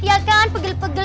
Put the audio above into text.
ya kan pegel pegel